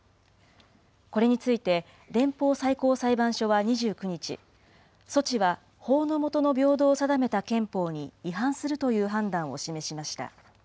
これについて、連邦最高裁判所は２９日、措置は法の下の平等を定めた憲法に違反するという判断を示しました。